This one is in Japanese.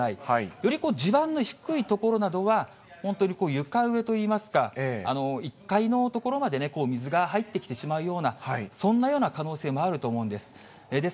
より地盤の低い所などは、本当に床上といいますか、１階の所まで水が入ってきてしまうような、そんなような可能性もあると思うんです。